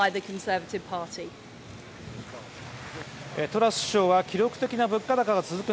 トラス首相は記録的な物価高が続く